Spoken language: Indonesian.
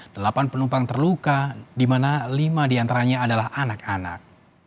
delapan penumpang terluka di mana lima diantaranya adalah anak anak